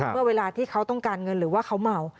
เมื่อเวลาที่เขาต้องการเงินหรือว่าเขาเมา